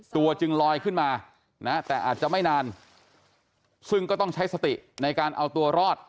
ตัวจึงลอยขึ้นมานะแต่อาจจะไม่นานซึ่งก็ต้องใช้สติในการเอาตัวรอด